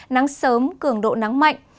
nắng sớm cường độ nắng mạnh